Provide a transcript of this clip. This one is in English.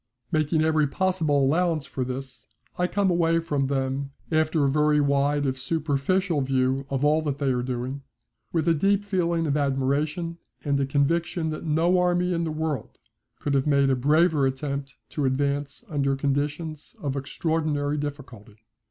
Making every possible allowance for this, I come away from them, after a very wide if superficial view of all that they are doing, with a deep feeling of admiration and a conviction that no army in the world could have made a braver attempt to advance under conditions of extraordinary difficulty.